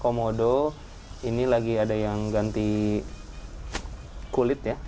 komodo ini lagi ada yang ganti kulit ya